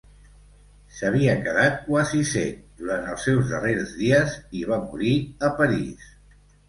S'havia quedat quasi cec durant els seus darrers dies, i va morir a París.